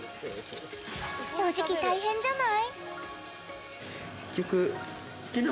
正直、大変じゃない？